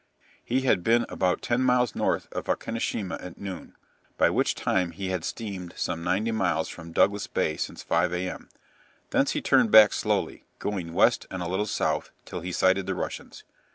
_" He had been about ten miles north of Okinoshima at noon (by which time he had steamed some 90 miles from Douglas Bay since 5 a.m.), thence he turned back slowly, going west and a little south, till he sighted the Russians.